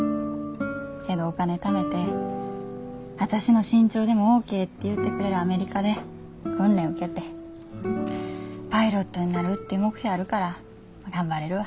けどお金ためて私の身長でもオッケーって言うてくれるアメリカで訓練受けてパイロットになるって目標あるから頑張れるわ。